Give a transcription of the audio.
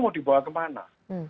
mau dibawa kemana